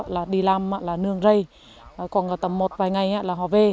họ đi làm là nương rầy còn tầm một vài ngày là họ về